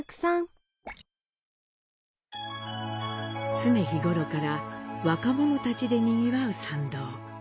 常日ごろから若者たちで賑わう参道。